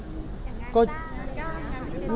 อย่างงานจ้าง